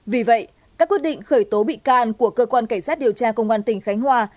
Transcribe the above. vì vậy các quyết định khởi tố bị can của cơ quan cảnh sát điều tra công an tỉnh khánh hòa